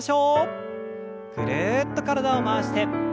ぐるっと体を回して。